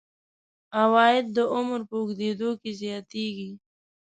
عواید د عمر په اوږدو کې زیاتیږي.